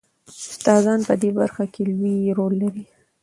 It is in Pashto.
استادان په دې برخه کې لوی رول لري.